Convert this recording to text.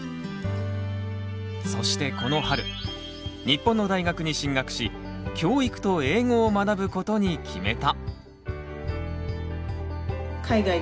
そしてこの春日本の大学に進学し教育と英語を学ぶことに決めた！